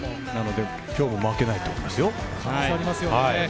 今日も負けないと思いますよ。